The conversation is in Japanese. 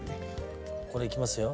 これいきますよ。